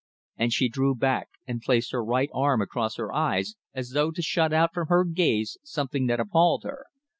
And she drew back and placed her right arm across her eyes as though to shut out from her gaze something that appalled her.